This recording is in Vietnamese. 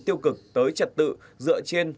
tiêu cực tới trật tự dựa trên